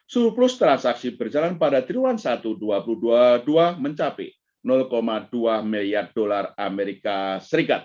seru plus transaksi berjalan pada tribuan satu dua ribu dua puluh dua mencapai dua miliar dolar as